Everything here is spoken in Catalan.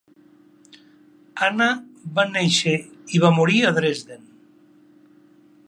Anna va néixer i va morir a Dresden.